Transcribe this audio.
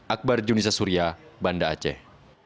akbar junisa surya banda aceh